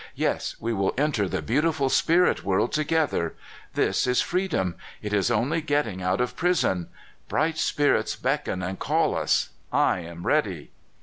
Yes, we will enter the beautiful spirit world together ! This is freedom! It is only getting out of prison. Bright spirits beckon and call us. I am ready."